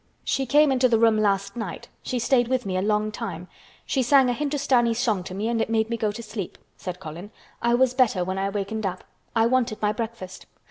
"She came into the room last night. She stayed with me a long time. She sang a Hindustani song to me and it made me go to sleep," said Colin. "I was better when I wakened up. I wanted my breakfast.